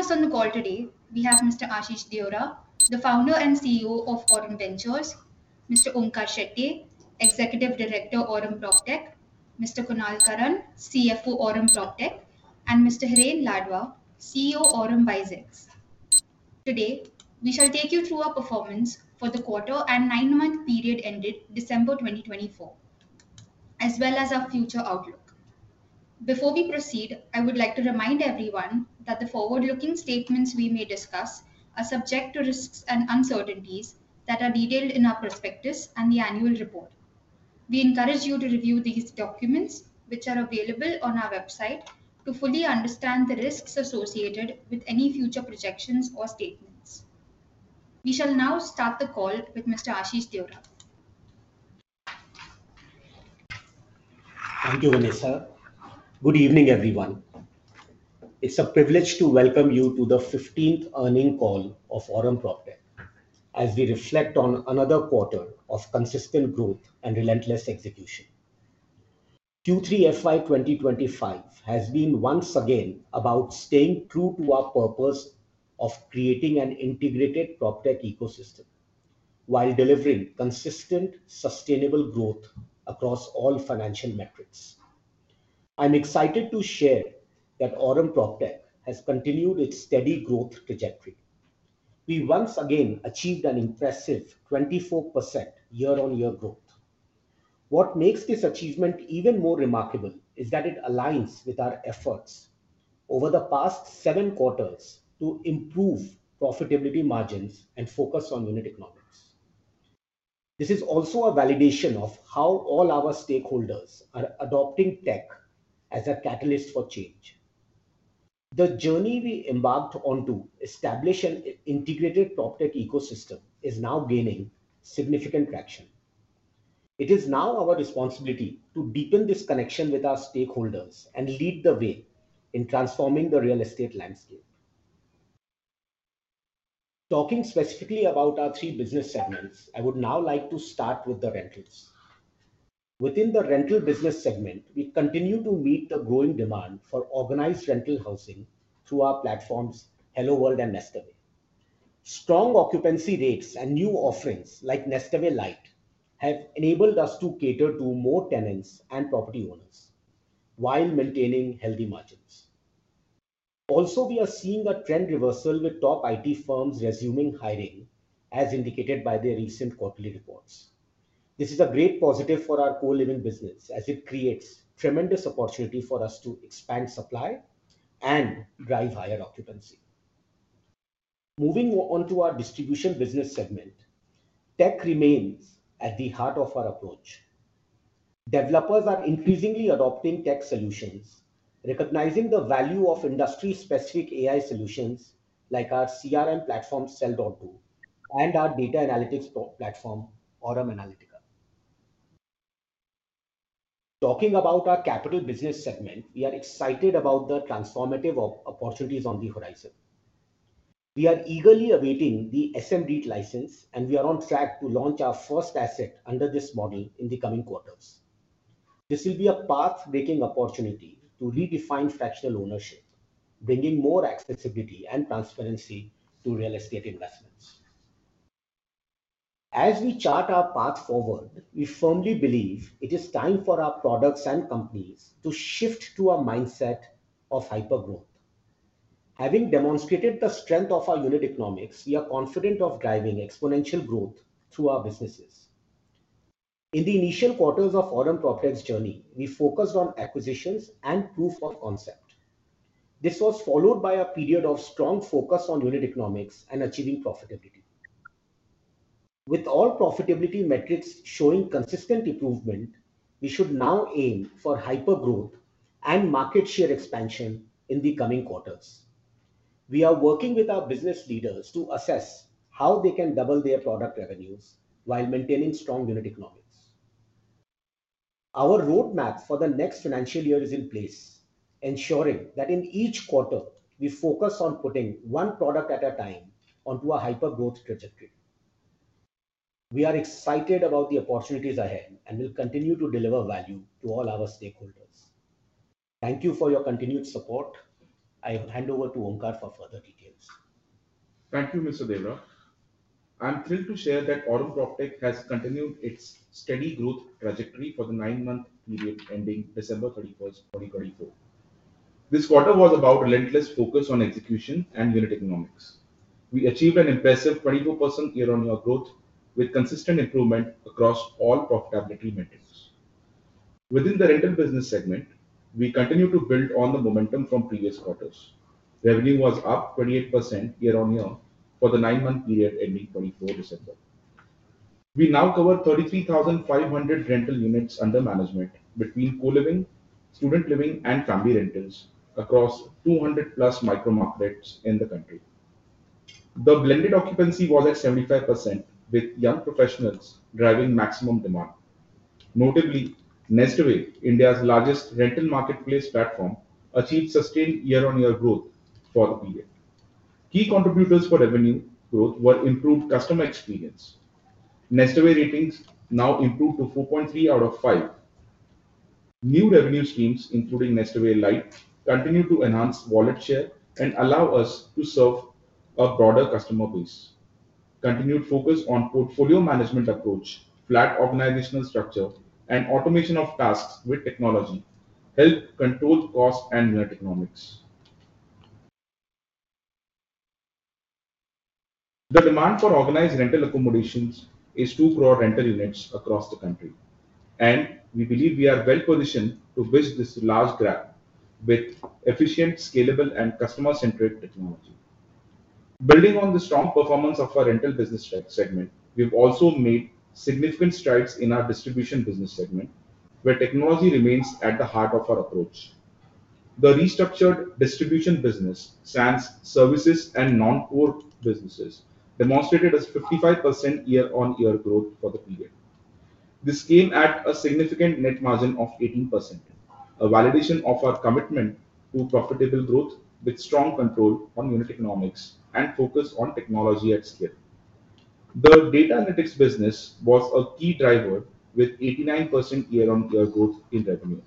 In this call today, we have Mr. Ashish Deora, the founder and CEO of Aurum Ventures, Mr. Onkar Shetye, Executive Director of Aurum PropTech, Mr. Kunal Karan, CFO of Aurum PropTech, and Mr. Hiren Ladva, CEO of Aurum WiseX. Today, we shall take you through our performance for the quarter and nine-month period ended December 2024, as well as our future outlook. Before we proceed, I would like to remind everyone that the forward-looking statements we may discuss are subject to risks and uncertainties that are detailed in our prospectus and the annual report. We encourage you to review these documents, which are available on our website, to fully understand the risks associated with any future projections or statements. We shall now start the call with Mr. Ashish Deora. Thank you, Vanessa. Good evening, everyone. It's a privilege to welcome you to the 15th earnings call of Aurum PropTech, as we reflect on another quarter of consistent growth and relentless execution. Q3 FY 2025 has been once again about staying true to our purpose of creating an integrated PropTech ecosystem while delivering consistent, sustainable growth across all financial metrics. I'm excited to share that Aurum PropTech has continued its steady growth trajectory. We once again achieved an impressive 24% year-on-year growth. What makes this achievement even more remarkable is that it aligns with our efforts over the past seven quarters to improve profitability margins and focus on unit economics. This is also a validation of how all our stakeholders are adopting tech as a catalyst for change. The journey we embarked on to establish an integrated PropTech ecosystem is now gaining significant traction. It is now our responsibility to deepen this connection with our stakeholders and lead the way in transforming the real estate landscape. Talking specifically about our three business segments, I would now like to start with the rentals. Within the rental business segment, we continue to meet the growing demand for organized rental housing through our platforms, HelloWorld and Nestaway. Strong occupancy rates and new offerings like Nestaway Lite have enabled us to cater to more tenants and property owners while maintaining healthy margins. Also, we are seeing a trend reversal with top IT firms resuming hiring, as indicated by the recent quarterly reports. This is a great positive for our co-living business, as it creates tremendous opportunity for us to expand supply and drive higher occupancy. Moving on to our distribution business segment, tech remains at the heart of our approach. Developers are increasingly adopting tech solutions, recognizing the value of industry-specific AI solutions like our CRM platform, Sell.do, and our data analytics platform, Aurum Analytica. Talking about our capital business segment, we are excited about the transformative opportunities on the horizon. We are eagerly awaiting the SM REIT license, and we are on track to launch our first asset under this model in the coming quarters. This will be a path-breaking opportunity to redefine fractional ownership, bringing more accessibility and transparency to real estate investments. As we chart our path forward, we firmly believe it is time for our products and companies to shift to a mindset of hyper-growth. Having demonstrated the strength of our unit economics, we are confident of driving exponential growth through our businesses. In the initial quarters of Aurum PropTech's journey, we focused on acquisitions and proof of concept. This was followed by a period of strong focus on unit economics and achieving profitability. With all profitability metrics showing consistent improvement, we should now aim for hyper-growth and market share expansion in the coming quarters. We are working with our business leaders to assess how they can double their product revenues while maintaining strong unit economics. Our roadmap for the next financial year is in place, ensuring that in each quarter, we focus on putting one product at a time onto a hyper-growth trajectory. We are excited about the opportunities ahead and will continue to deliver value to all our stakeholders. Thank you for your continued support. I will hand over to Onkar for further details. Thank you, Mr. Deora. I'm thrilled to share that Aurum PropTech has continued its steady growth trajectory for the nine-month period ending December 31, 2024. This quarter was about relentless focus on execution and unit economics. We achieved an impressive 24% year-on-year growth with consistent improvement across all profitability metrics. Within the rental business segment, we continue to build on the momentum from previous quarters. Revenue was up 28% year-on-year for the nine-month period ending December 31, 2024. We now cover 33,500 rental units under management between co-living, student living, and family rentals across 200-plus micro markets in the country. The blended occupancy was at 75%, with young professionals driving maximum demand. Notably, Nestaway, India's largest rental marketplace platform, achieved sustained year-on-year growth for the period. Key contributors for revenue growth were improved customer experience. Nestaway ratings now improved to 4.3 out of 5. New revenue streams, including Nestaway Lite, continue to enhance wallet share and allow us to serve a broader customer base. Continued focus on portfolio management approach, flat organizational structure, and automation of tasks with technology help control costs and unit economics. The demand for organized rental accommodations is too broad for rental units across the country, and we believe we are well-positioned to bridge this large gap with efficient, scalable, and customer-centric technology. Building on the strong performance of our rental business segment, we've also made significant strides in our distribution business segment, where technology remains at the heart of our approach. The restructured distribution business, SaaS services and non-core businesses, demonstrated a 55% year-on-year growth for the period. This came at a significant net margin of 18%, a validation of our commitment to profitable growth with strong control on unit economics and focus on technology at scale. The data analytics business was a key driver, with 89% year-on-year growth in revenue.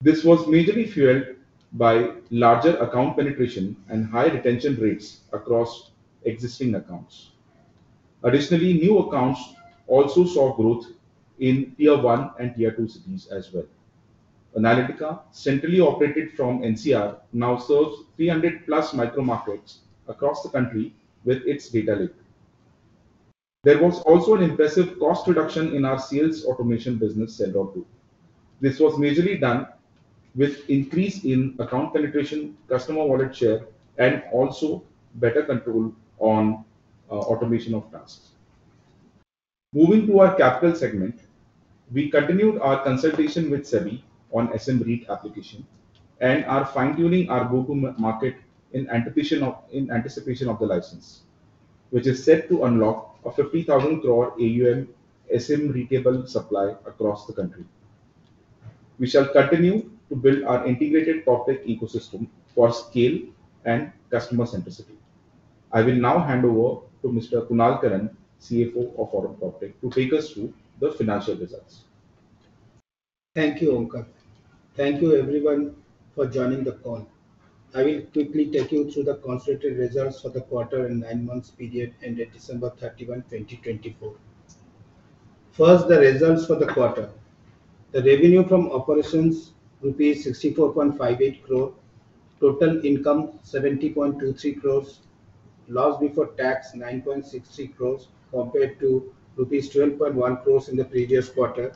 This was majorly fueled by larger account penetration and high retention rates across existing accounts. Additionally, new accounts also saw growth in Tier 1 and Tier 2 cities as well. Analytica, centrally operated from NCR, now serves 300-plus micro markets across the country with its data lake. There was also an impressive cost reduction in our sales automation business, Sell.do. This was majorly done with an increase in account penetration, customer wallet share, and also better control on automation of tasks. Moving to our capital segment, we continued our consultation with SEBI on SM REIT application and are fine-tuning our go-to-market in anticipation of the license, which is set to unlock a 50,000 crore AUM SM REITable supply across the country. We shall continue to build our integrated PropTech ecosystem for scale and customer-centricity. I will now hand over to Mr. Kunal Karan, CFO of Aurum PropTech, to take us through the financial results. Thank you, Onkar. Thank you, everyone, for joining the call. I will quickly take you through the consolidated results for the quarter and nine-month period ended December 31, 2024. First, the results for the quarter. The revenue from operations: rupees 64.58 crore. Total income: 70.23 crores. Loss before tax: 9.63 crores compared to rupees 12.1 crores in the previous quarter,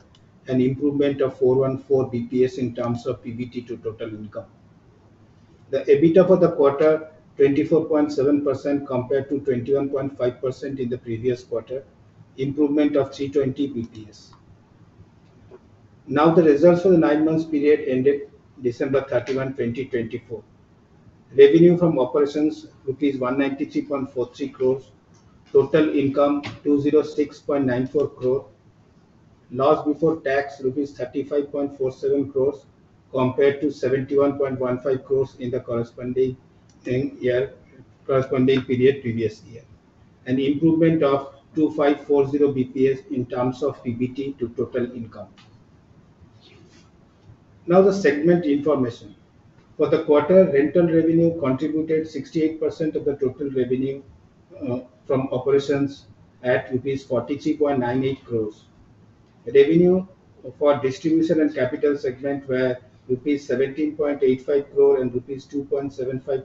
an improvement of 414 basis points in terms of PBT to total income. The EBITDA for the quarter: 24.7% compared to 21.5% in the previous quarter, improvement of 320 basis points. Now, the results for the nine-month period ended December 31, 2024. Revenue from operations: 193.43 crores. Total income: 206.94 crore. Loss before tax: rupees 35.47 crores compared to 71.15 crores in the corresponding period previous year, an improvement of 2540 basis points in terms of PBT to total income. Now, the segment information. For the quarter, rental revenue contributed 68% of the total revenue from operations at rupees 43.98 crores. Revenue for distribution and capital segment were rupees 17.85 crore and INR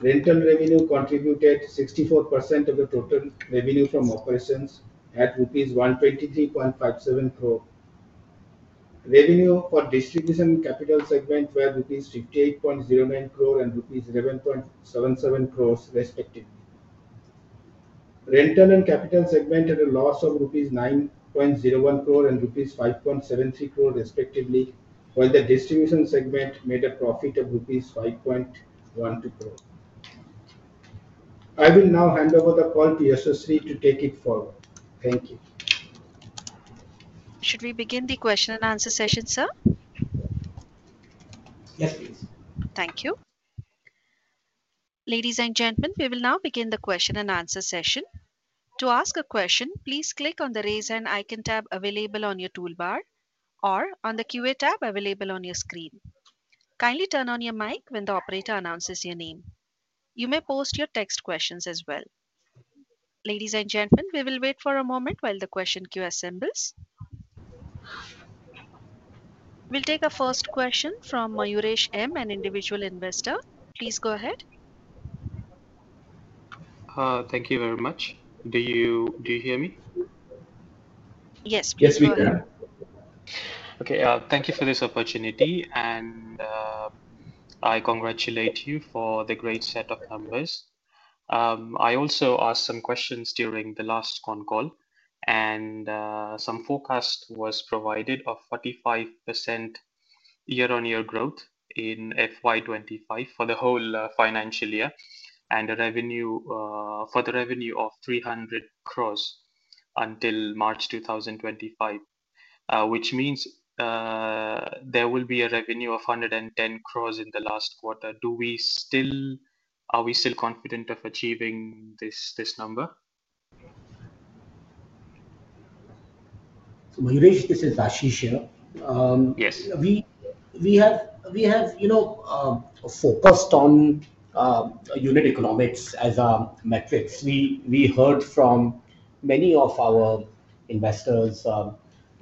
2.75 crores, respectively. Rental and capital segment had a loss of INR 3.65 crores and INR 2.35 crores, respectively, while the distribution segment made a profit of INR 2.44 crores. For the nine-month period ended December 31, 2024, rental revenue contributed 64% of the total revenue from operations at INR 123.57 crore. Revenue for distribution and capital segment were rupees 58.09 crore and rupees 11.77 crores, respectively. Rental and capital segment had a loss of rupees 9.01 crore and rupees 5.73 crore, respectively, while the distribution segment made a profit of rupees 5.12 crore. I will now hand over the call to Ashish Deora to take it forward. Thank you. Should we begin the question and answer session, sir? Yes, please. Thank you. Ladies and gentlemen, we will now begin the question and answer session. To ask a question, please click on the Raise Hand icon tab available on your toolbar or on the Q&A tab available on your screen. Kindly turn on your mic when the operator announces your name. You may post your text questions as well. Ladies and gentlemen, we will wait for a moment while the question queue assembles. We'll take a first question from Mahuresh M., an individual investor. Please go ahead. Thank you very much. Do you hear me? Yes, we can. Yes, we can. Okay, thank you for this opportunity, and I congratulate you for the great set of numbers. I also asked some questions during the last phone call, and some forecast was provided of 45% year-on-year growth in FY25 for the whole financial year and a further revenue of 300 crores until March 2025, which means there will be a revenue of 110 crores in the last quarter. Are we still confident of achieving this number? Mahuresh, this is Ashish here. We have focused on unit economics as a metric. We heard from many of our investors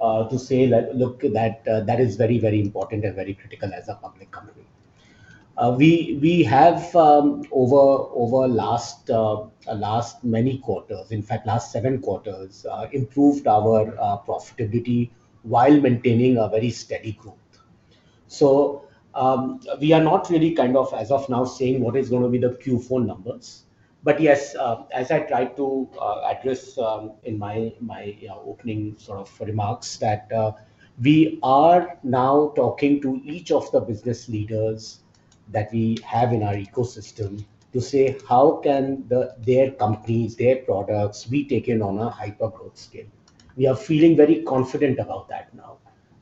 to say that, "Look, that is very, very important and very critical as a public company." We have, over the last many quarters, in fact, last seven quarters, improved our profitability while maintaining a very steady growth. So we are not really kind of, as of now, saying what is going to be the Q4 numbers. But yes, as I tried to address in my opening sort of remarks that we are now talking to each of the business leaders that we have in our ecosystem to say, "How can their companies, their products, we take in on a hyper-growth scale?" We are feeling very confident about that now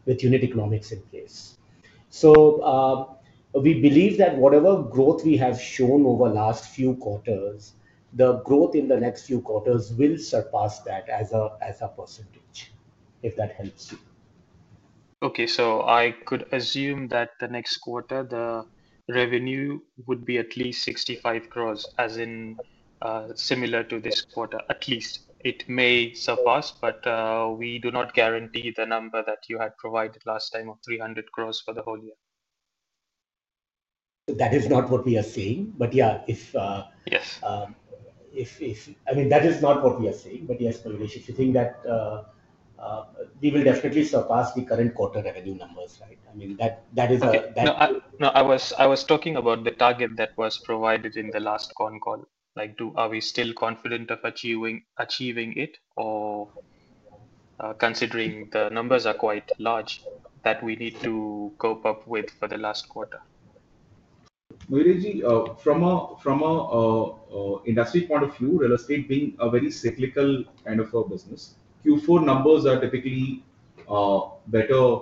with unit economics in place. So we believe that whatever growth we have shown over the last few quarters, the growth in the next few quarters will surpass that as a percentage, if that helps you. Okay, so I could assume that the next quarter, the revenue would be at least 65 crores, as in similar to this quarter, at least. It may surpass, but we do not guarantee the number that you had provided last time of 300 crores for the whole year. That is not what we are saying. But yeah, I mean, that is not what we are saying. But yes, Mahuresh, if you think that we will definitely surpass the current quarter revenue numbers, right? I mean, that is a. No, I was talking about the target that was provided in the last phone call. Are we still confident of achieving it or considering the numbers are quite large that we need to cope up with for the last quarter? Mahuresh, from an industry point of view, real estate being a very cyclical kind of business, Q4 numbers are typically better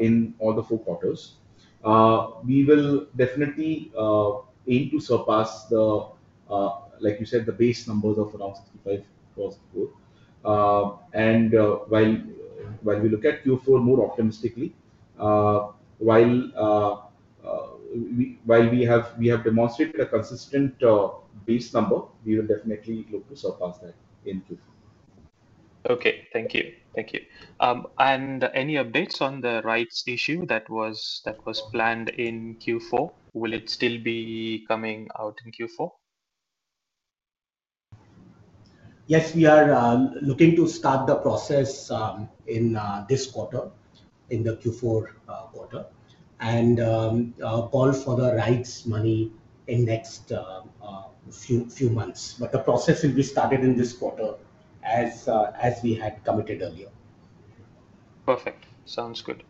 in all the four quarters. We will definitely aim to surpass, like you said, the base numbers of around 65 crores before, and while we look at Q4 more optimistically, while we have demonstrated a consistent base number, we will definitely look to surpass that in Q4. Okay, thank you. Thank you. And any updates on the rights issue that was planned in Q4? Will it still be coming out in Q4? Yes, we are looking to start the process in this quarter, in the Q4 quarter, and call for the rights money in the next few months. But the process will be started in this quarter, as we had committed earlier. Perfect. Sounds good.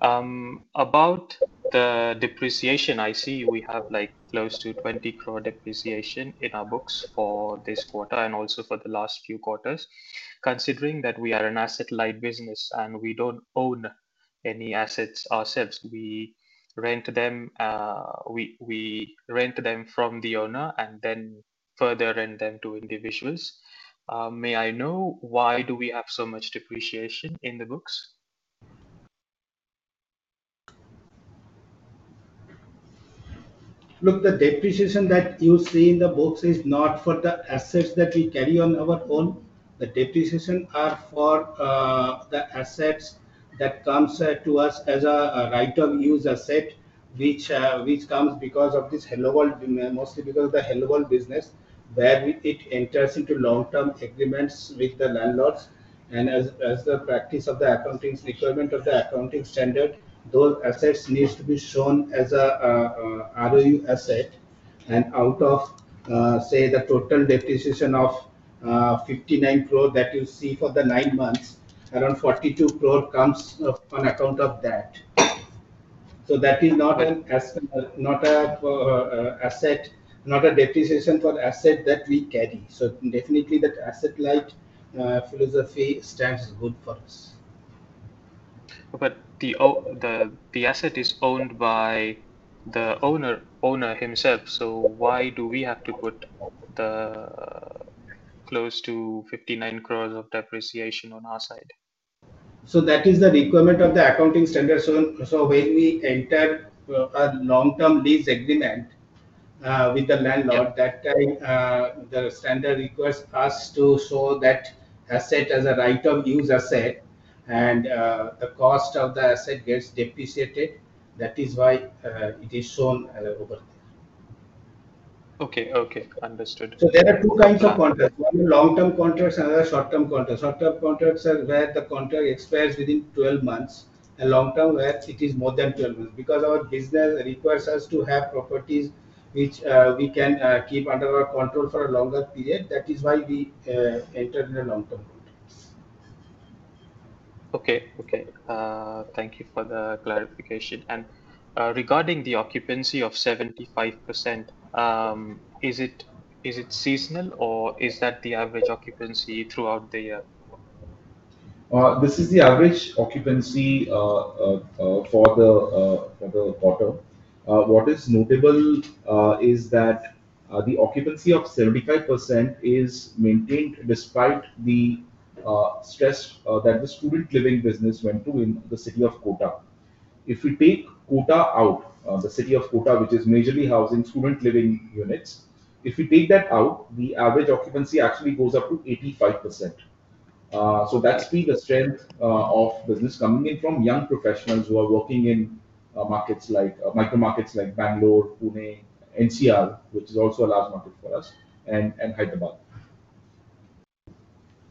About the depreciation, I see we have close to 20 crore depreciation in our books for this quarter and also for the last few quarters. Considering that we are an asset-light business and we don't own any assets ourselves, we rent them from the owner and then further rent them to individuals. May I know why do we have so much depreciation in the books? Look, the depreciation that you see in the books is not for the assets that we carry on our own. The depreciation is for the assets that come to us as a right-of-use asset, which comes because of this HelloWorld, mostly because of the HelloWorld business, where it enters into long-term agreements with the landlords, and as the practice of the accounting requirement of the accounting standard, those assets need to be shown as an ROU asset. And out of, say, the total depreciation of 59 crore that you see for the nine months, around 42 crore comes on account of that. So that is not an asset, not a depreciation for asset that we carry. So definitely, that asset-light philosophy stands good for us. But the asset is owned by the owner himself. So why do we have to put close to 59 crores of depreciation on our side? So that is the requirement of the accounting standard. So when we enter a long-term lease agreement with the landlord, that time the standard requires us to show that asset as a right-of-use asset, and the cost of the asset gets depreciated. That is why it is shown over there. Okay, okay. Understood. There are two kinds of contracts: one is long-term contracts and other short-term contracts. Short-term contracts are where the contract expires within 12 months, and long-term where it is more than 12 months. Because our business requires us to have properties which we can keep under our control for a longer period, that is why we enter in a long-term contract. Okay, okay. Thank you for the clarification. And regarding the occupancy of 75%, is it seasonal or is that the average occupancy throughout the year? This is the average occupancy for the quarter. What is notable is that the occupancy of 75% is maintained despite the stress that the student living business went through in the city of Kota. If we take Kota out, the city of Kota, which is majorly housing student living units, if we take that out, the average occupancy actually goes up to 85%. So that's been the strength of business coming in from young professionals who are working in micro markets like Bangalore, Pune, NCR, which is also a large market for us, and Hyderabad.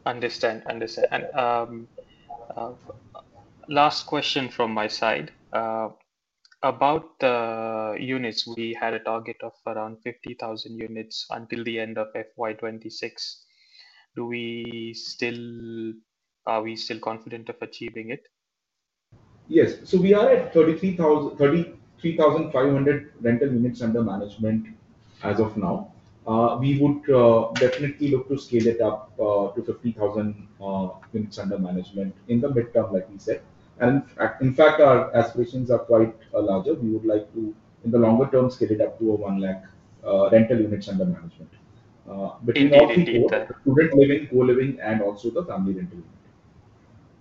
Understood, understood. And last question from my side. About the units, we had a target of around 50,000 units until the end of FY26. Are we still confident of achieving it? Yes. So we are at 33,500 rental units under management as of now. We would definitely look to scale it up to 50,000 units under management in the midterm, like you said. And in fact, our aspirations are quite larger. We would like to, in the longer term, scale it up to 1 lakh rental units under management, between all three quarters: student living, co-living, and also the family rental unit.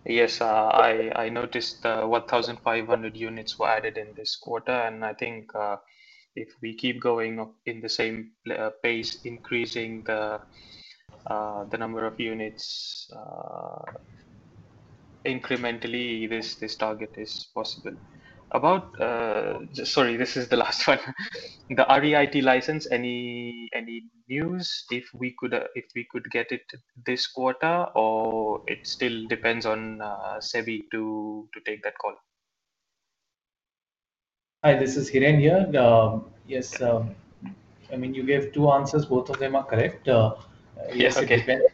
Yes, I noticed 1,500 units were added in this quarter. And I think if we keep going in the same pace, increasing the number of units incrementally, this target is possible. Sorry, this is the last one. The REIT license, any news if we could get it this quarter, or it still depends on SEBI to take that call? Hi, this is Hiren here. Yes, I mean, you gave two answers. Both of them are correct. Yes, it depends.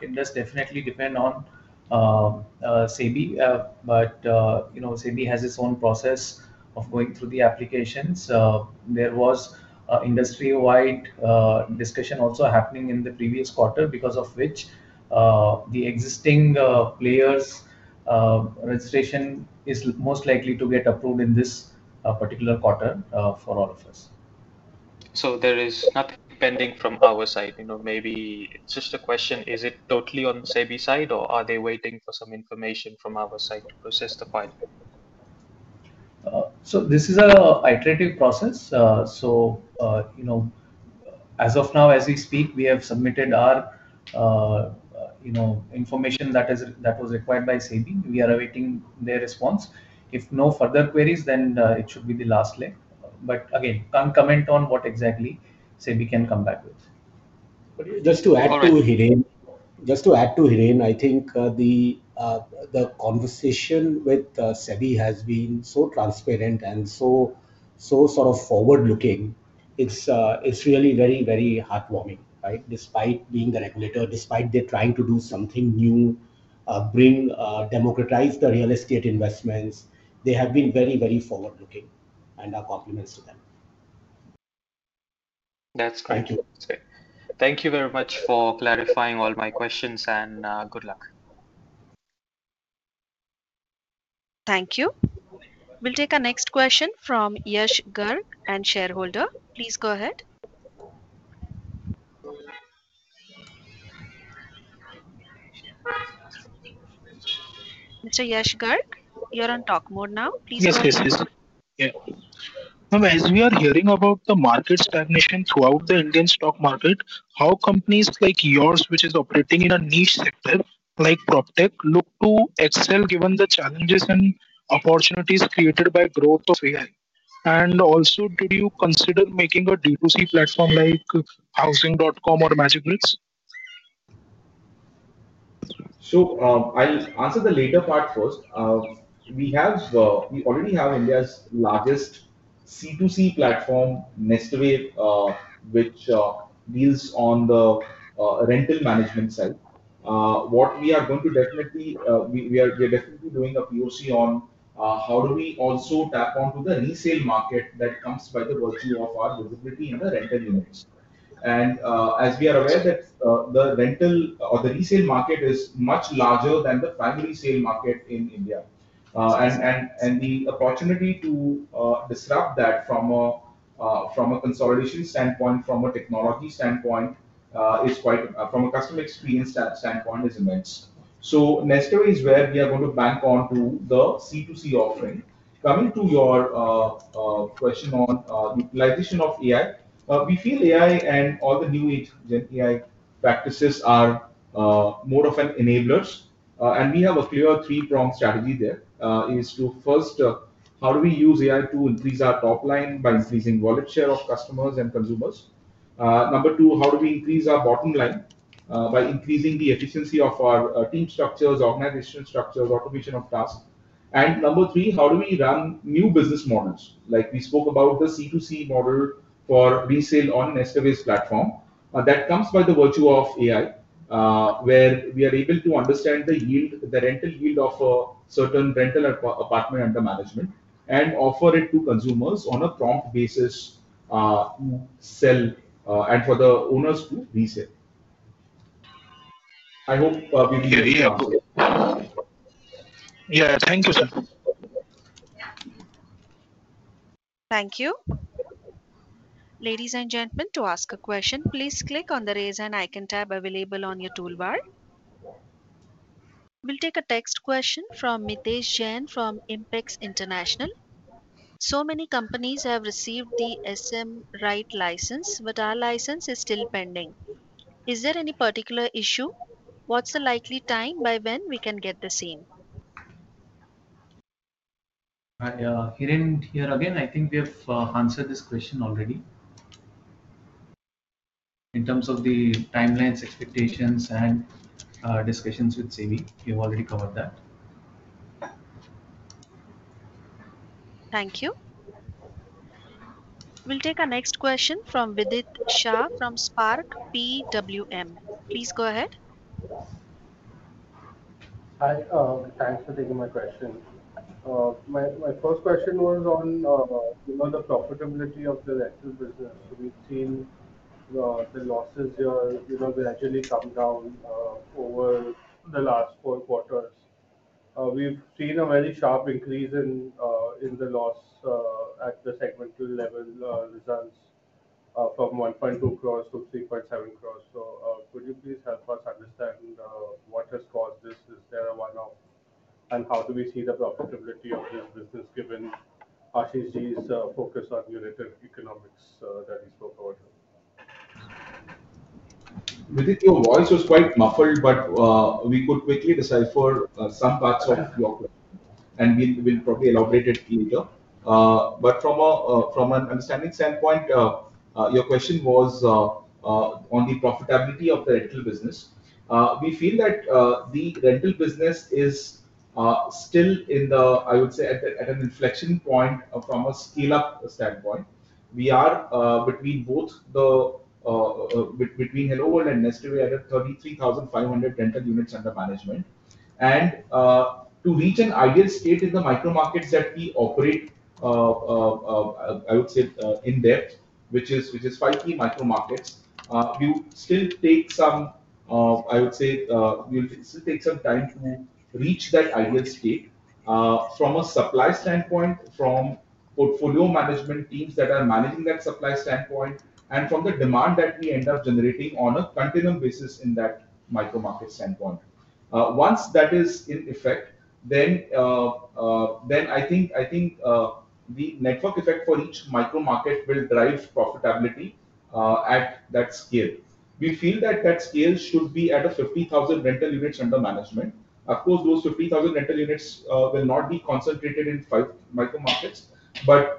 It does definitely depend on SEBI, but SEBI has its own process of going through the applications. There was an industry-wide discussion also happening in the previous quarter because of which the existing players' registration is most likely to get approved in this particular quarter for all of us. So there is nothing pending from our side. Maybe it's just a question: is it totally on SEBI's side, or are they waiting for some information from our side to process the file? So this is an iterative process. So as of now, as we speak, we have submitted our information that was required by SEBI. We are awaiting their response. If no further queries, then it should be the last leg. But again, can't comment on what exactly SEBI can come back with. Just to add to Hiren, I think the conversation with SEBI has been so transparent and so sort of forward-looking. It's really very, very heartwarming, right? Despite being the regulator, despite they're trying to do something new, democratize the real estate investments, they have been very, very forward-looking, and our compliments to them. That's great. Thank you. Thank you very much for clarifying all my questions, and good luck. Thank you. We'll take our next question from Yash Garg and shareholder. Please go ahead. Mr. Yash Garg, you're on talk mode now. Please go ahead. Yes, yes, yes. As we are hearing about the market stagnation throughout the Indian stock market, how companies like yours, which is operating in a niche sector like PropTech, look to excel given the challenges and opportunities created by growth of AI? And also, do you consider making a D2C platform like Housing.com or Magicbricks? I'll answer the later part first. We already have India's largest C2C platform, Nestaway, which deals on the rental management side. What we are going to definitely, we are definitely doing a POC on how do we also tap onto the resale market that comes by the virtue of our visibility in the rental units. And as we are aware that the rental or the resale market is much larger than the primary sale market in India. And the opportunity to disrupt that from a consolidation standpoint, from a technology standpoint, from a customer experience standpoint, is immense. Nestaway is where we are going to bank onto the C2C offering. Coming to your question on utilization of AI, we feel AI and all the new AI practices are more of an enabler. And we have a clear three-prong strategy there. It's the first, how do we use AI to increase our top line by increasing volume share of customers and consumers? Number two, how do we increase our bottom line by increasing the efficiency of our team structures, organizational structures, automation of tasks? And number three, how do we run new business models? Like we spoke about the C2C model for resale on a Nestaway platform that comes by the virtue of AI, where we are able to understand the rental yield of a certain rental apartment under management and offer it to consumers on a prompt basis to sell and for the owners to resell. I hope we've been able to. Yeah, thank you, sir. Thank you. Ladies and gentlemen, to ask a question, please click on the raise an icon tab available on your toolbar. We'll take a text question from Mitesh Jain from Impex International. So many companies have received the SM REIT license, but our license is still pending. Is there any particular issue? What's the likely time by when we can get the same? Hiren here again. I think we have answered this question already. In terms of the timelines, expectations, and discussions with SEBI, you've already covered that. Thank you. We'll take our next question from Vidit Shah from Spark PWM. Please go ahead. Hi, thanks for taking my question. My first question was on the profitability of the rental business. We've seen the losses gradually come down over the last four quarters. We've seen a very sharp increase in the loss at the segmental level results from 1.2 crores to 3.7 crores. So could you please help us understand what has caused this? Is there a one-off? And how do we see the profitability of this business given Ashish Ji's focus on unit economics that he spoke about? Vidith, your voice was quite muffled, but we could quickly decipher some parts of your question, and we'll probably elaborate it later, but from an understanding standpoint, your question was on the profitability of the rental business. We feel that the rental business is still in the, I would say, at an inflection point from a scale-up standpoint. We are between HelloWorld and Nestaway at 33,500 rental units under management, and to reach an ideal state in the micro markets that we operate, I would say, in depth, which is five key micro markets, we'll still take some time to reach that ideal state from a supply standpoint, from portfolio management teams that are managing that supply standpoint, and from the demand that we end up generating on a continuum basis in that micro market standpoint. Once that is in effect, then I think the network effect for each micro market will drive profitability at that scale. We feel that that scale should be at 50,000 rental units under management. Of course, those 50,000 rental units will not be concentrated in five micro markets, but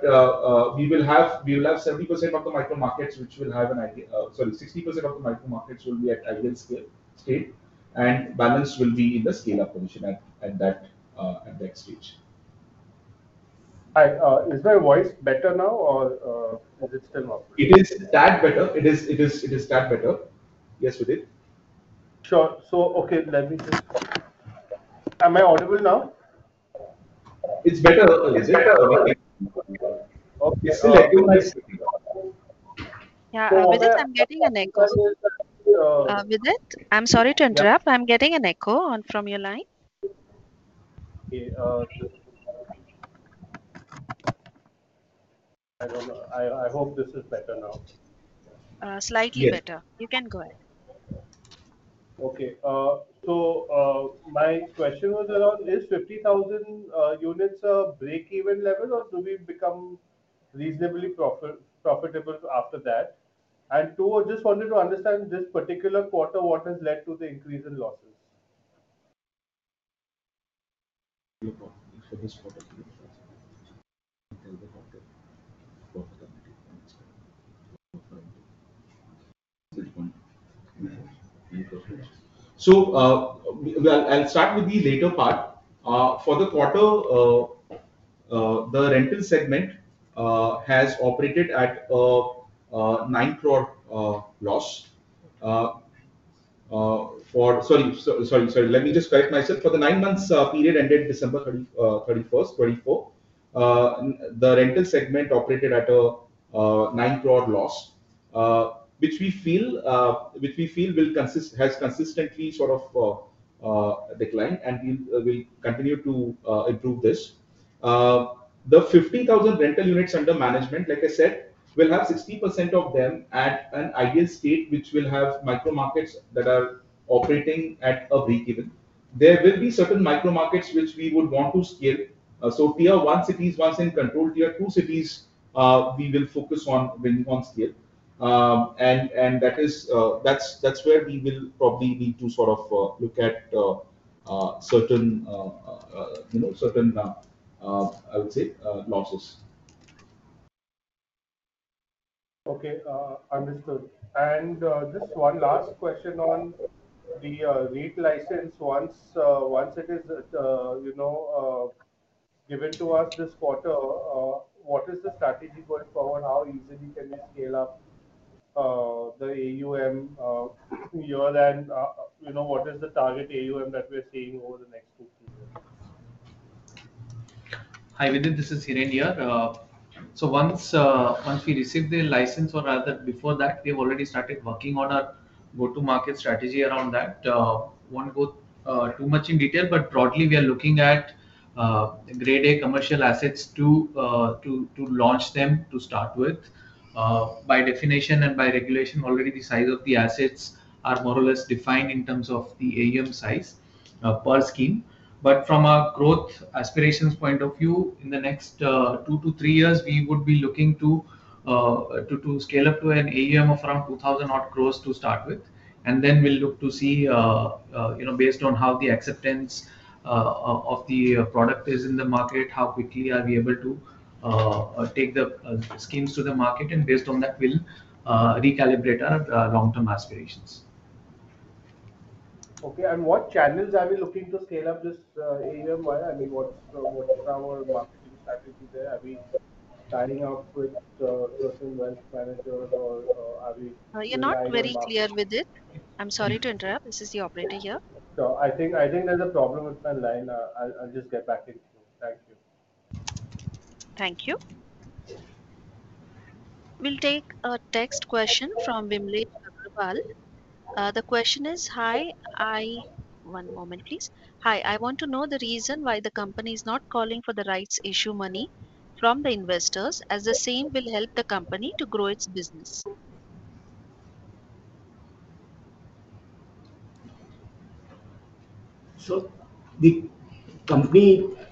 we will have 70% of the micro markets, which will have an idea, sorry, 60% of the micro markets will be at ideal state, and balance will be in the scale-up position at that stage. Hi, is my voice better now, or is it still not? It is that better. Yes, Vidith. Sure. So, okay, let me just, am I audible now? It's better. Okay. It's still echoing. Yeah, Vidith, I'm getting an echo. Vidith, I'm sorry to interrupt. I'm getting an echo from your line. Okay. I hope this is better now. Slightly better. You can go ahead. Okay, so my question was around, is 50,000 units a break-even level, or do we become reasonably profitable after that? And two, I just wanted to understand this particular quarter, what has led to the increase in losses. So I'll start with the later part. For the quarter, the rental segment has operated at an 9 crore loss for—sorry, sorry, sorry, let me just correct myself. For the nine-month period ended December 31st, 2024, the rental segment operated at an 9 crore loss, which we feel will have consistently sort of declined and will continue to improve this. The 50,000 rental units under management, like I said, we'll have 60% of them at an ideal state, which will have micro markets that are operating at a break-even. There will be certain micro markets which we would want to scale. So tier one cities once in control, tier two cities we will focus on when we want to scale. And that's where we will probably need to sort of look at certain—I would say losses. Okay. I missed it. And just one last question on the SM REIT license. Once it is given to us this quarter, what is the strategy going forward? How easily can we scale up the AUM year-on-year? What is the target AUM that we're seeing over the next two, three years? Hi, Vidith. This is Hiren here. So once we receive the license, or rather before that, we've already started working on our go-to-market strategy around that. Won't go too much in detail, but broadly, we are looking at Grade A commercial assets to launch them to start with. By definition and by regulation, already the size of the assets are more or less defined in terms of the AUM size per scheme. But from a growth aspirations point of view, in the next two to three years, we would be looking to scale up to an AUM of around 2,000-odd crores to start with. And then we'll look to see, based on how the acceptance of the product is in the market, how quickly are we able to take the schemes to the market. And based on that, we'll recalibrate our long-term aspirations. Okay. And what channels are we looking to scale up this AUM via? I mean, what's our marketing strategy there? Are we signing up with certain wealth managers, or are we? You're not very clear, Vidith. I'm sorry to interrupt. This is the operator here. So I think there's a problem with my line. I'll just get back into it. Thank you. Thank you. We'll take a text question from Vimlade Gurpal. The question is, "Hi, I want to know the reason why the company is not calling for the rights issue money from the investors, as the same will help the company to grow its business. So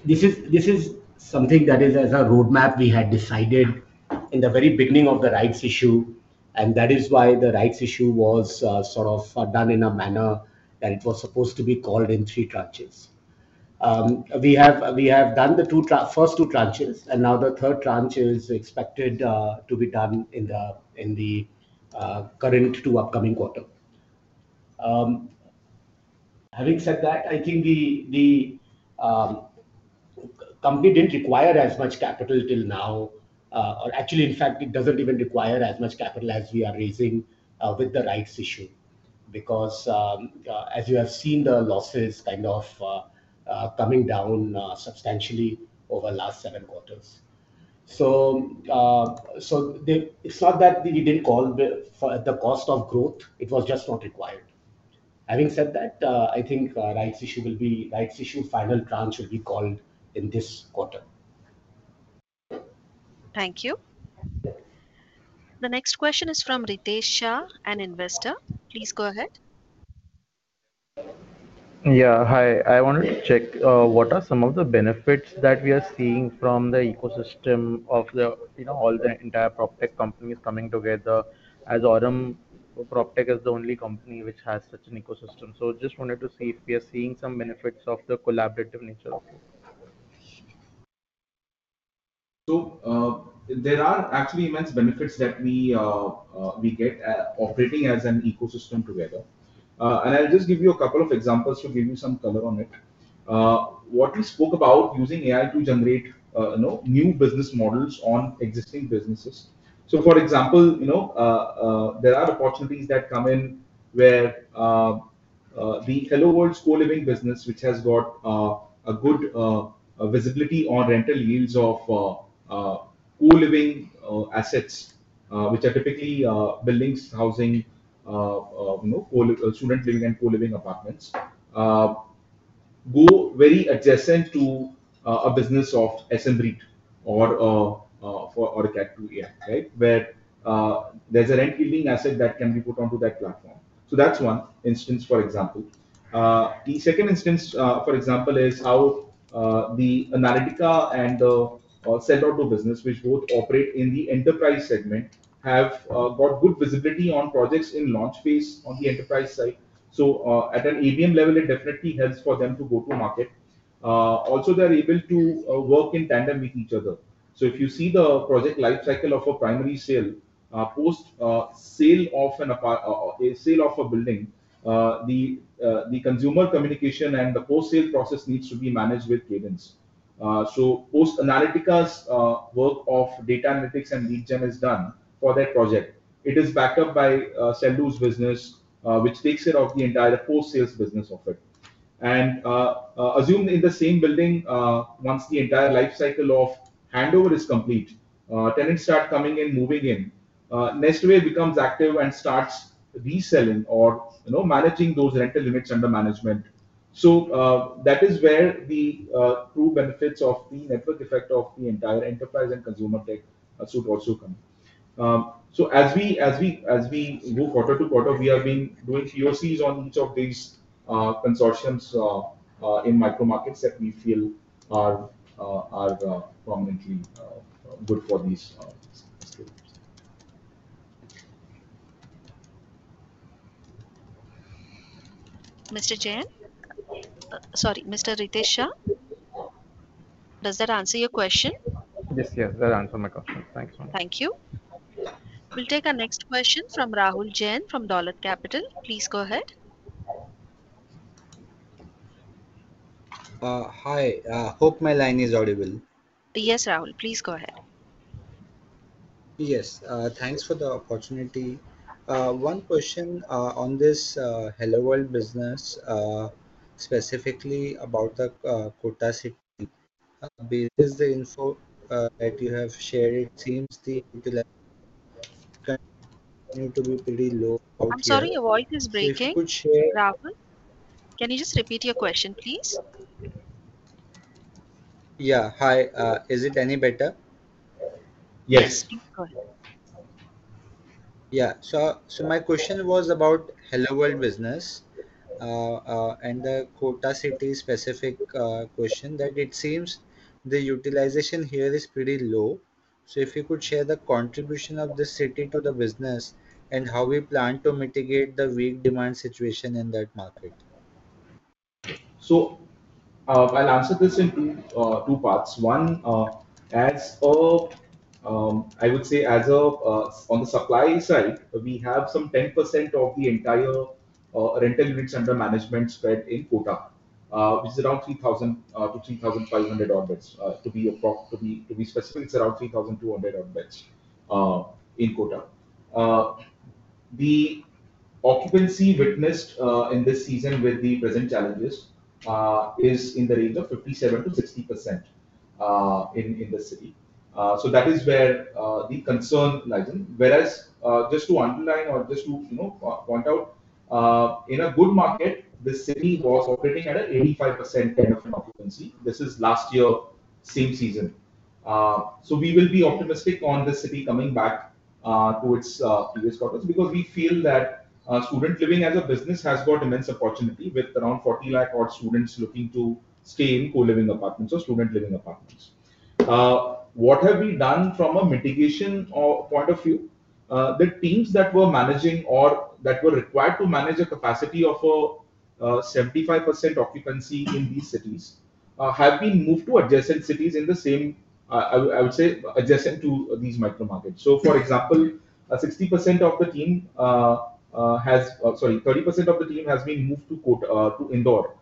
this is something that is as a roadmap we had decided in the very beginning of the rights issue. And that is why the rights issue was sort of done in a manner that it was supposed to be called in three tranches. We have done the first two tranches, and now the third tranche is expected to be done in the current to upcoming quarter. Having said that, I think the company didn't require as much capital till now. Or actually, in fact, it doesn't even require as much capital as we are raising with the rights issue because, as you have seen, the losses kind of coming down substantially over the last seven quarters. So it's not that we didn't call the cost of growth. It was just not required. Having said that, I think rights issue final tranche will be called in this quarter. Thank you. The next question is from Ritesh Shah, an investor. Please go ahead. Yeah. Hi. I wanted to check what are some of the benefits that we are seeing from the ecosystem of all the entire PropTech companies coming together as Aurum PropTech is the only company which has such an ecosystem. So just wanted to see if we are seeing some benefits of the collaborative nature of it. So there are actually immense benefits that we get operating as an ecosystem together, and I'll just give you a couple of examples to give you some color on it. What we spoke about using AI to generate new business models on existing businesses. So for example, there are opportunities that come in where the HelloWorld co-living business, which has got a good visibility on rental yields of co-living assets, which are typically buildings, housing, student living, and co-living apartments, go very adjacent to a business of SM REIT or a C2C, right, where there's a rent-building asset that can be put onto that platform. So that's one instance, for example. The second instance, for example, is how the Analytica and the Sell.do business, which both operate in the enterprise segment, have got good visibility on projects in launch phase on the enterprise side. At an ABM level, it definitely helps for them to go to market. Also, they're able to work in tandem with each other. If you see the project lifecycle of a primary sale, post-sale of a building, the consumer communication and the post-sale process needs to be managed with cadence. Post-Aurum Analytica's work of data analytics and lead gen is done for that project. It is backed up by Sell.do's business, which takes care of the entire post-sales business of it. Assume in the same building, once the entire lifecycle of handover is complete, tenants start coming in, moving in, Nestaway becomes active and starts reselling or managing those rental units under management. That is where the true benefits of the network effect of the entire enterprise and consumer tech suite also come. So as we go quarter to quarter, we have been doing POCs on each of these consortiums in micro markets that we feel are prominently good for these cases. Mr. Jain? Sorry, Mr. Ritesh Shah? Does that answer your question? Yes, yes. That answered my question. Thanks. Thank you. We'll take our next question from Rahul Jain from Dolat Capital. Please go ahead. Hi. Hope my line is audible? Yes, Rahul. Please go ahead. Yes. Thanks for the opportunity. One question on this HelloWorld business, specifically about the Kota city. Based on the info that you have shared, it seems the utility continues to be pretty low. I'm sorry, your voice is breaking. You could share. Rahul? Can you just repeat your question, please? Yeah. Hi. Is it any better? Yes. Yes. Go ahead. Yeah. So my question was about HelloWorld business and the Kota city specific question that it seems the utilization here is pretty low. So if you could share the contribution of the city to the business and how we plan to mitigate the weak demand situation in that market. So I'll answer this in two parts. One, I would say on the supply side, we have some 10% of the entire rental units under management spread in Kota, which is around 3,000-3,500 odd beds. To be specific, it's around 3,200 odd beds in Kota. The occupancy witnessed in this season with the present challenges is in the range of 57%-60% in the city. So that is where the concern lies. Whereas just to underline or just to point out, in a good market, the city was operating at an 85% kind of an occupancy. This is last year, same season. So we will be optimistic on the city coming back to its previous quarters because we feel that student living as a business has got immense opportunity with around 40 lakh odd students looking to stay in co-living apartments or student living apartments. What have we done from a mitigation point of view? The teams that were managing or that were required to manage a capacity of 75% occupancy in these cities have been moved to adjacent cities in the same, I would say, adjacent to these micro markets. So for example, 60% of the team has, sorry, 30% of the team has been moved to Indore,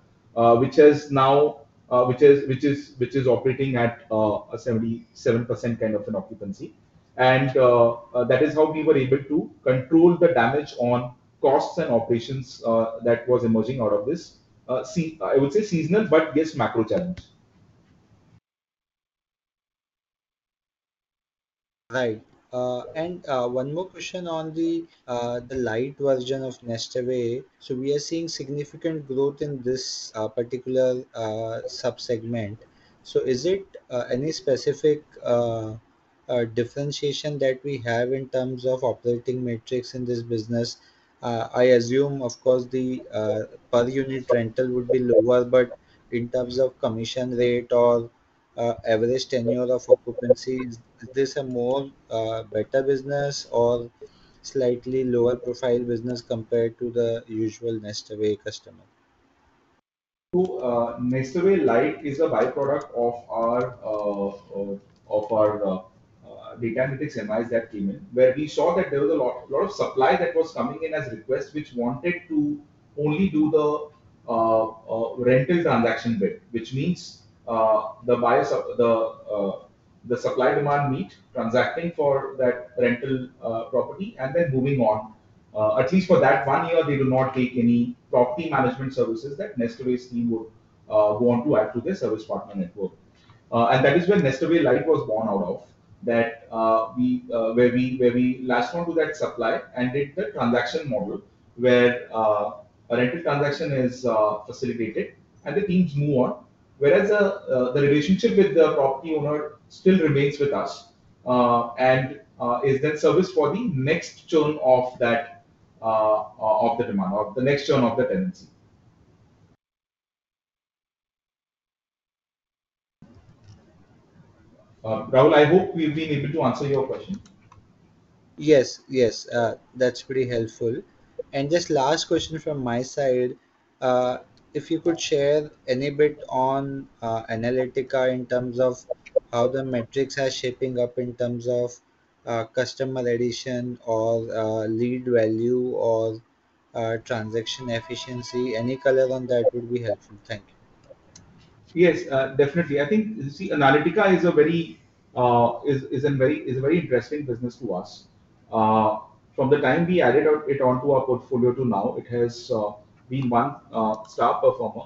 which is now, which is operating at a 77% kind of an occupancy. And that is how we were able to control the damage on costs and operations that was emerging out of this, I would say, seasonal, but this macro challenge. Right. And one more question on the light version of Nestaway. So we are seeing significant growth in this particular subsegment. So is it any specific differentiation that we have in terms of operating metrics in this business? I assume, of course, the per-unit rental would be lower, but in terms of commission rate or average tenure of occupancy, is this a better business or slightly lower profile business compared to the usual Nestaway customer? Nestaway Lite is a byproduct of our data analytics MIS that came in, where we saw that there was a lot of supply that was coming in as requests which wanted to only do the rental transaction bit, which means the supply-demand meet transacting for that rental property and then moving on. At least for that one year, they do not take any property management services that Nestaway's team would want to add to their service partner network. That is where Nestaway Lite was born out of, where we latched on to that supply and did the transaction model where a rental transaction is facilitated and the teams move on, whereas the relationship with the property owner still remains with us and is then serviced for the next turn of the demand or the next turn of the tenancy. Rahul, I hope we've been able to answer your question. Yes, yes. That's pretty helpful. And just last question from my side, if you could share any bit on Aurum Analytica in terms of how the metrics are shaping up in terms of customer addition or lead value or transaction efficiency, any color on that would be helpful. Thank you. Yes, definitely. I think Aurum Analytica is a very interesting business to us. From the time we added it onto our portfolio to now, it has been one star performer.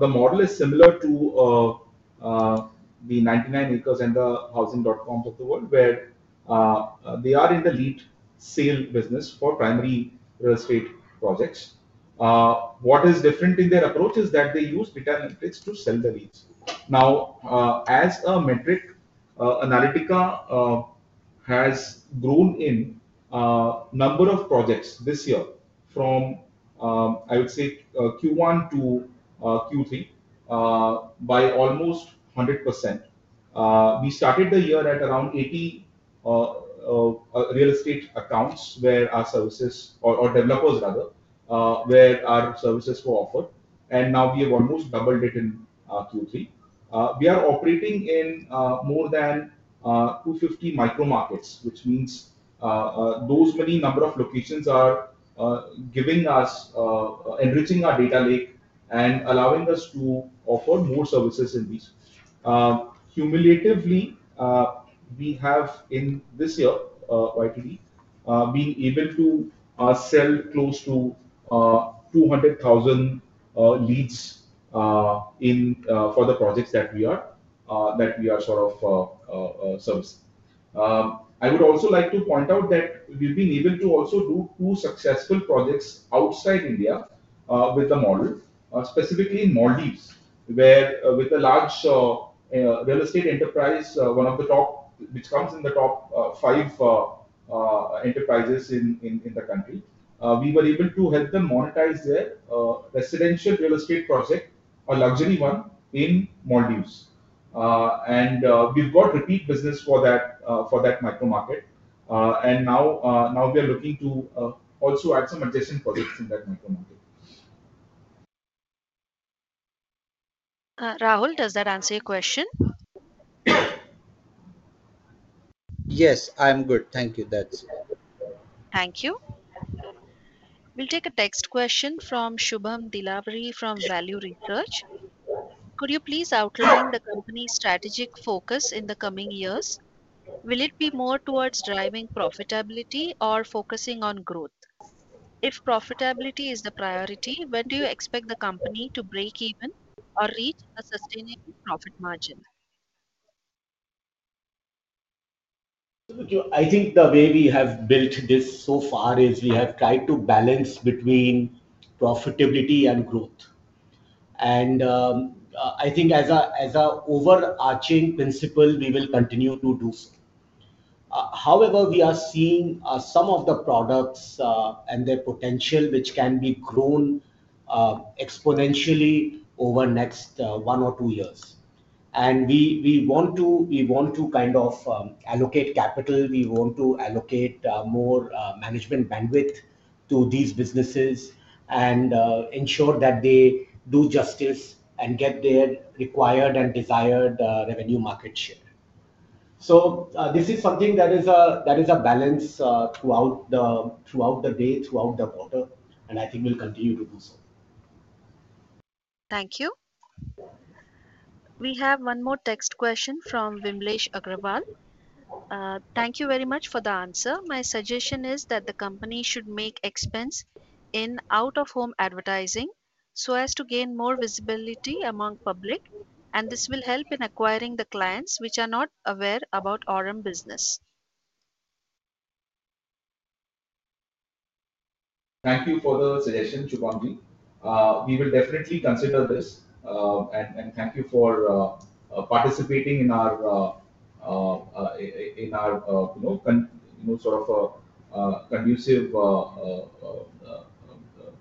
The model is similar to the 99acres and the Housing.coms of the world, where they are in the lead sale business for primary real estate projects. What is different in their approach is that they use data analytics to sell the leads. Now, as a metric, Aurum Analytica has grown in number of projects this year from, I would say, Q1 to Q3 by almost 100%. We started the year at around 80 real estate accounts where our services or developers, rather, where our services were offered. And now we have almost doubled it in Q3. We are operating in more than 250 micro markets, which means those many number of locations are enriching our data lake and allowing us to offer more services in these. Cumulatively, we have in this year being able to sell close to 200,000 leads for the projects that we are sort of servicing. I would also like to point out that we've been able to also do two successful projects outside India with the model, specifically in Maldives, where with a large real estate enterprise, one of the top, which comes in the top five enterprises in the country, we were able to help them monetize their residential real estate project, a luxury one in Maldives, and we've got repeat business for that micro market, and now we are looking to also add some adjacent projects in that micro market. Rahul, does that answer your question? Yes, I'm good. Thank you. That's it. Thank you. We'll take a text question from Shubham Dilawari from Value Research. Could you please outline the company's strategic focus in the coming years? Will it be more towards driving profitability or focusing on growth? If profitability is the priority, when do you expect the company to break even or reach a sustainable profit margin? I think the way we have built this so far is we have tried to balance between profitability and growth. And I think as an overarching principle, we will continue to do so. However, we are seeing some of the products and their potential, which can be grown exponentially over the next one or two years. And we want to kind of allocate capital. We want to allocate more management bandwidth to these businesses and ensure that they do justice and get their required and desired revenue market share. So this is something that is a balance throughout the day, throughout the quarter, and I think we'll continue to do so. Thank you. We have one more text question from Vimlesh Agrawal. Thank you very much for the answer. My suggestion is that the company should make expense in out-of-home advertising so as to gain more visibility among public, and this will help in acquiring the clients which are not aware about Aurum business. Thank you for the suggestion, Shubhamji. We will definitely consider this. And thank you for participating in our sort of conducive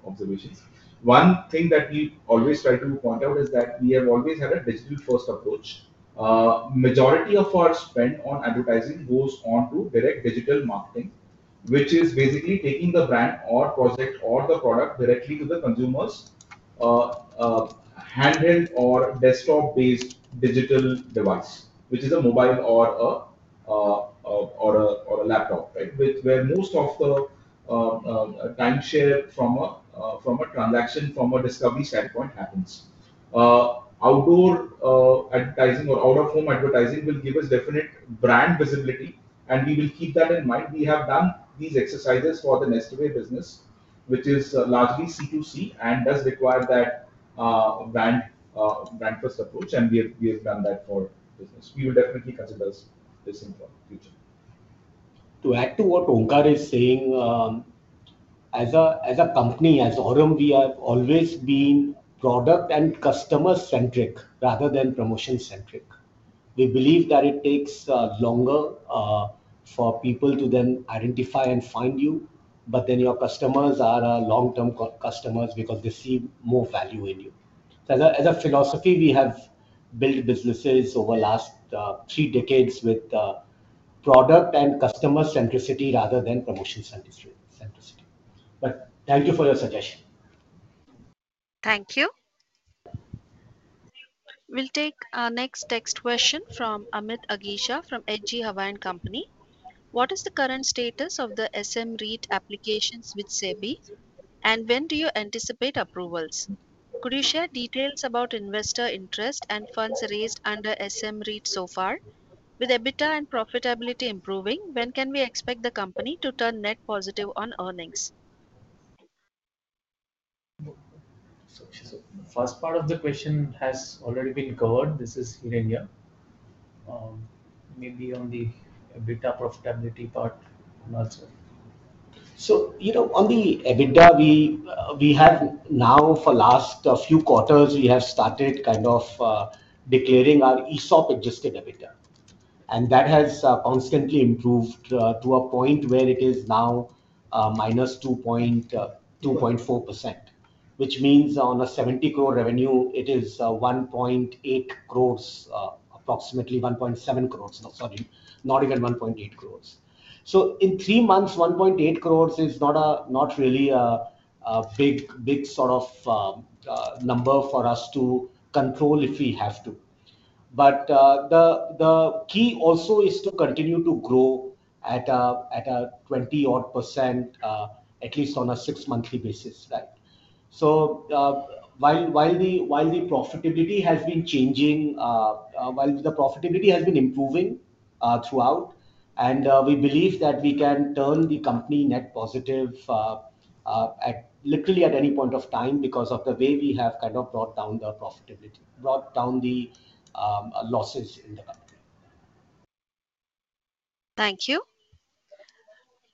observations. One thing that we always try to point out is that we have always had a digital-first approach. The majority of our spend on advertising goes on to direct digital marketing, which is basically taking the brand or project or the product directly to the consumer's handheld or desktop-based digital device, which is a mobile or a laptop, where most of the time share from a transaction, from a discovery standpoint, happens. Outdoor advertising or out-of-home advertising will give us definite brand visibility, and we will keep that in mind. We have done these exercises for the Nestaway business, which is largely C2C and does require that brand-first approach, and we have done that for business. We will definitely consider this in the future. To add to what Onkar is saying, as a company, as Aurum, we have always been product and customer-centric rather than promotion-centric. We believe that it takes longer for people to then identify and find you, but then your customers are long-term customers because they see more value in you. As a philosophy, we have built businesses over the last three decades with product and customer-centricity rather than promotion-centricity, but thank you for your suggestion. Thank you. We'll take our next text question from Amit Agicha from Edgee Hawaiian Company. What is the current status of the SM REIT applications with SEBI, and when do you anticipate approvals? Could you share details about investor interest and funds raised under SM REIT so far? With EBITDA and profitability improving, when can we expect the company to turn net positive on earnings? The first part of the question has already been covered. This is Hiren. Yeah. Maybe on the EBITDA profitability part also. On the EBITDA, we have now for the last few quarters, we have started kind of declaring our ESOP-adjusted EBITDA. And that has constantly improved to a point where it is now -2.4%, which means on a 70 crore revenue, it is 1.8 crore, approximately 1.7 crore, not even 1.8 crore. So in three months, 1.8 crore is not really a big sort of number for us to control if we have to. But the key also is to continue to grow at a 20-odd%, at least on a six-monthly basis. So while the profitability has been changing, while the profitability has been improving throughout, and we believe that we can turn the company net positive literally at any point of time because of the way we have kind of brought down the profitability, brought down the losses in the company. Thank you.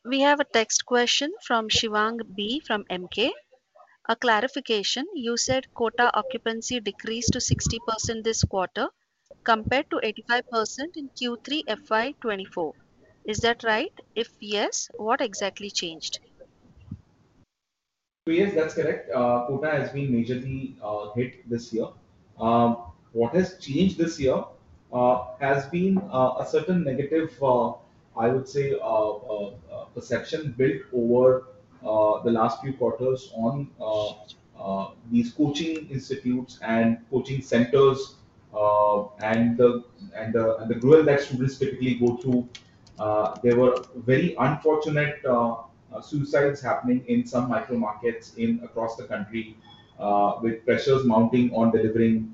We have a text question from Shivang B from Emkay. A clarification, you said Kota occupancy decreased to 60% this quarter compared to 85% in Q3 FY24. Is that right? If yes, what exactly changed? So yes, that's correct. Kota has been majorly hit this year. What has changed this year has been a certain negative, I would say, perception built over the last few quarters on these coaching institutes and coaching centers and the gruel that students typically go through. There were very unfortunate suicides happening in some micro markets across the country with pressures mounting on delivering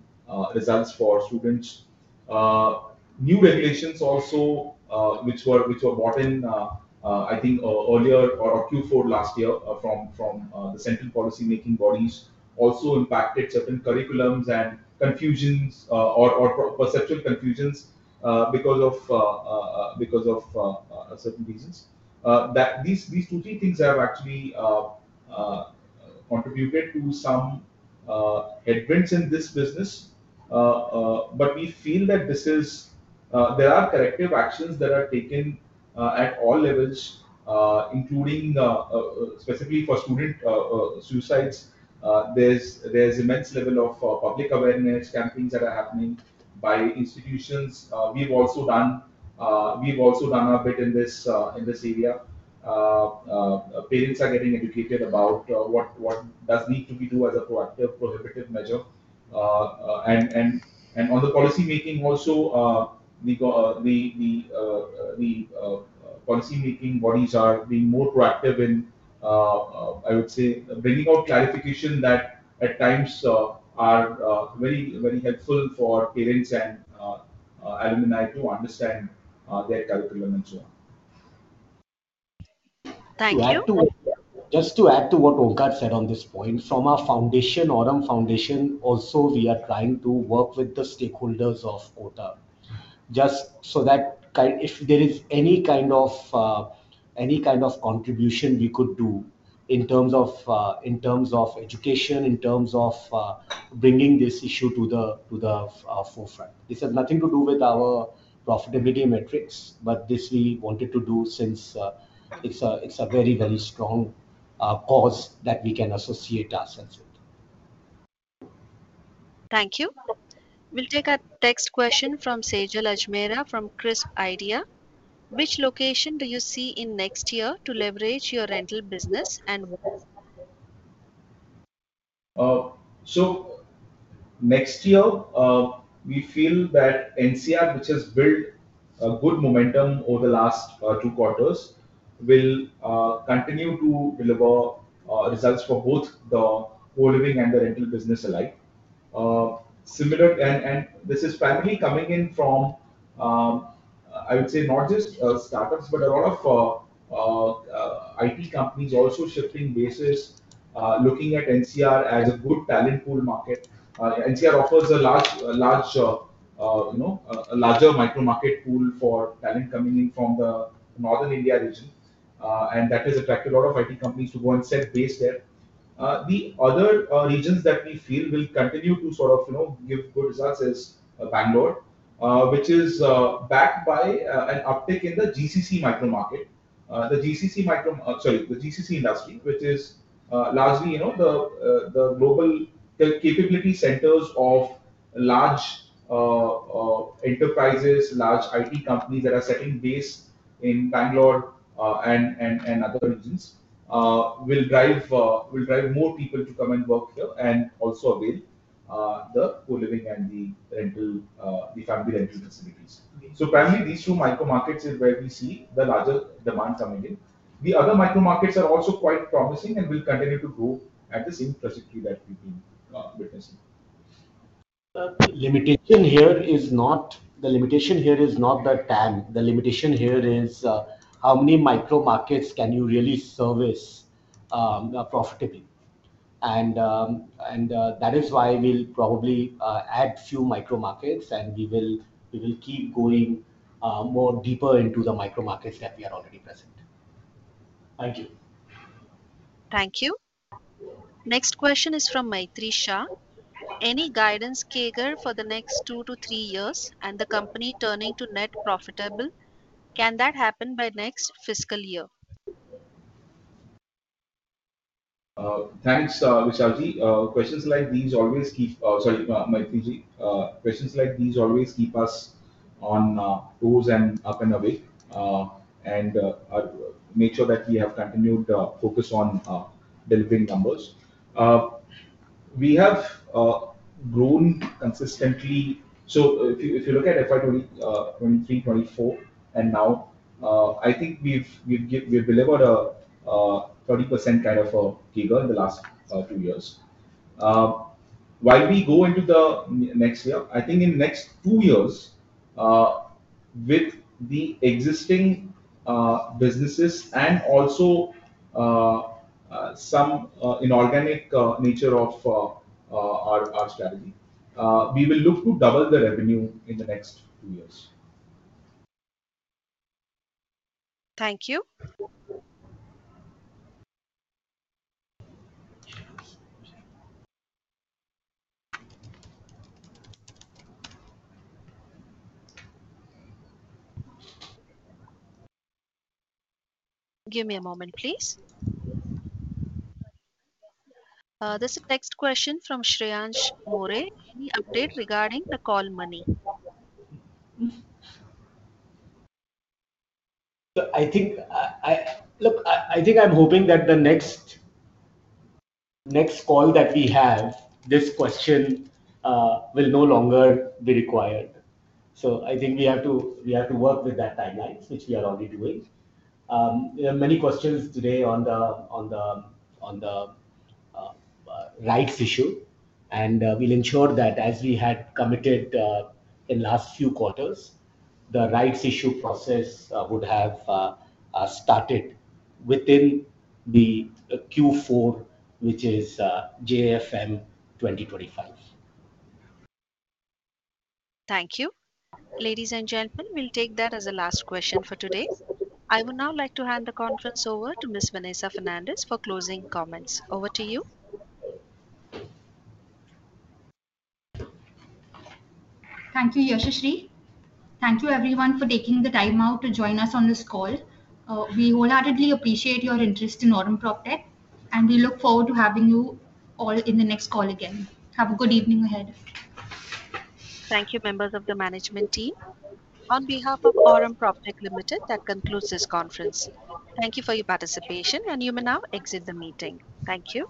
results for students. New regulations also, which were brought in, I think, earlier or Q4 last year from the central policymaking bodies, also impacted certain curriculums and confusions or perceptual confusions because of certain reasons. These two or three things have actually contributed to some headwinds in this business, but we feel that there are corrective actions that are taken at all levels, including specifically for student suicides. There's an immense level of public awareness campaigns that are happening by institutions. We've also done our bit in this area. Parents are getting educated about what does need to be done as a proactive prohibitive measure. And on the policymaking also, the policymaking bodies are being more proactive in, I would say, bringing out clarification that at times are very helpful for parents and alumni to understand their curriculum and so on. Thank you. Just to add to what Onkar said on this point, from our foundation, Aurum Foundation, also we are trying to work with the stakeholders of Kota just so that if there is any kind of contribution we could do in terms of education, in terms of bringing this issue to the forefront. This has nothing to do with our profitability metrics, but this we wanted to do since it's a very, very strong cause that we can associate ourselves with. Thank you. We'll take a text question from Sejal Ajmera from CrispIdea. Which location do you see in next year to leverage your rental business and why? So next year, we feel that NCR, which has built a good momentum over the last two quarters, will continue to deliver results for both the co-living and the rental business alike. And this is primarily coming in from, I would say, not just startups, but a lot of IT companies also shifting bases, looking at NCR as a good talent pool market. NCR offers a larger micro market pool for talent coming in from the Northern India region, and that has attracted a lot of IT companies to go and set base there. The other regions that we feel will continue to sort of give good results is Bangalore, which is backed by an uptick in the GCC micro market, the GCC industry, which is largely the global capability centers of large enterprises, large IT companies that are setting base in Bangalore and other regions will drive more people to come and work here and also avail the co-living and the family rental facilities. So primarily, these two micro markets are where we see the larger demand coming in. The other micro markets are also quite promising and will continue to grow at the same trajectory that we've been witnessing. The limitation here is not the TAM. The limitation here is how many micro markets can you really service profitably? That is why we'll probably add a few micro markets, and we will keep going more deeper into the micro markets that we are already present. Thank you. Thank you. Next question is from Maitreyi Shah. Any guidance, CAGR, for the next two to three years and the company turning to net profitable? Can that happen by next fiscal year? Thanks, Vishalji. Sorry, Maitriji. Questions like these always keep us on toes and up and away and make sure that we have continued focus on delivering numbers. We have grown consistently. So if you look at FY23, 24, and now, I think we've delivered a 30% kind of a CAGR in the last two years. While we go into the next year, I think in the next two years, with the existing businesses and also some inorganic nature of our strategy, we will look to double the revenue in the next two years. Thank you. Give me a moment, please. This is next question from Shreyansh More. Any update regarding the call money? So I think I'm hoping that the next call that we have, this question will no longer be required. So I think we have to work with that timeline, which we are already doing. There are many questions today on the rights issue, and we'll ensure that as we had committed in the last few quarters, the rights issue process would have started within the Q4, which is JFM 2025. Thank you. Ladies and gentlemen, we'll take that as a last question for today. I would now like to hand the conference over to Ms. Vanessa Fernandes for closing comments. Over to you. Thank you, Yashashri. Thank you, everyone, for taking the time out to join us on this call. We wholeheartedly appreciate your interest in Aurum PropTech, and we look forward to having you all in the next call again. Have a good evening ahead. Thank you, members of the management team. On behalf of Aurum PropTech Limited, that concludes this conference. Thank you for your participation, and you may now exit the meeting. Thank you.